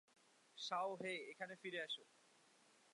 শাও হেই, এখানে ফিরে আসো!